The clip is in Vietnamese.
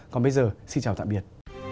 còn bây giờ xin chào tạm biệt